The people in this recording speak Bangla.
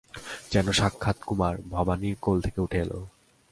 যেন সাক্ষাৎ কুমার, ভবানীর কোল থেকে উঠে এল!